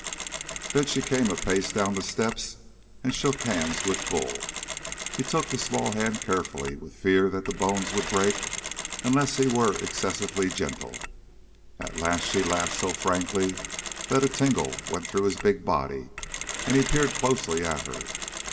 Then she came a pace down the steps and shook hands with Bull. He took the small hand carefully, with a fear that the bones would break unless he were excessively gentle. At last she laughed so frankly that a tingle went through his big body, and he peered closely at her.